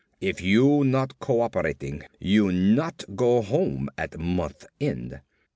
If you not co operating, you not go home at month end.